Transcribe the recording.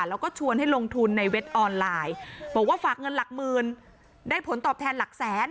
แล้วก็ชวนให้ลงทุนในเว็บออนไลน์บอกว่าฝากเงินหลักหมื่นได้ผลตอบแทนหลักแสน